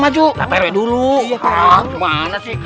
saper ya dulu mana sih